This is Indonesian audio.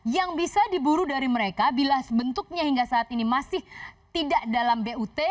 yang bisa diburu dari mereka bila bentuknya hingga saat ini masih tidak dalam but